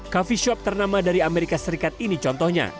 coffee shop ternama dari amerika serikat ini contohnya